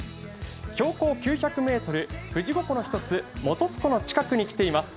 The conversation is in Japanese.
標高９００ｍ、富士五湖の１つ、本栖湖の近くに来ています。